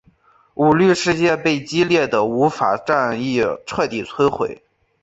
舞律世界被激烈的舞法战役彻底摧毁。